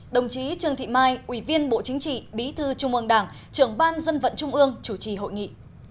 đồng chí trương thị mai ủy viên bộ chính trị bí thư trung ương đảng trưởng ban dân vận trung ương chủ trì hội nghị